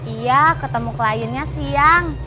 iya ketemu kliennya siang